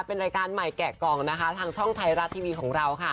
เป็นรายการใหม่แกะกล่องนะคะทางช่องไทยรัฐทีวีของเราค่ะ